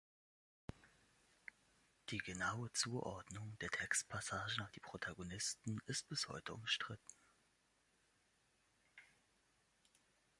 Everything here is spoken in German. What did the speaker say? Die genaue Zuordnung der Textpassagen auf die Protagonisten ist bis heute umstritten.